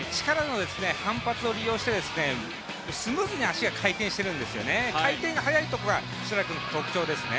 スムーズに足が回転しているんですよね、回転が速いところが設楽君の特徴ですね。